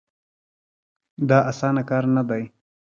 دا اسانه کار نه دی.